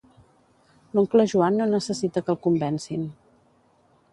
L'oncle Joan no necessita que el convencin.